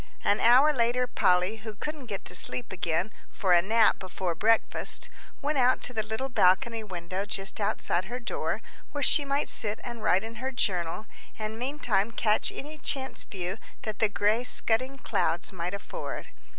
An hour later, Polly, who couldn't get to sleep again, for a nap before breakfast, went out to the little balcony window just outside her door, where she might sit and write in her journal, and meantime catch any chance view that the grey scudding clouds might afford.